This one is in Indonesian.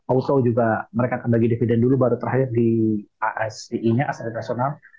oso juga mereka akan bagi dividen dulu baru terakhir di asdi nya astra international